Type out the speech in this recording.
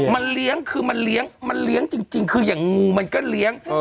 มันเลี้ยงคือมันเลี้ยงมันเลี้ยงจริงคืออย่างงูมันก็เลี้ยง